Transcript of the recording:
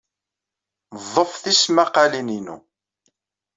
Ḍḍef tismaqqalin-inu.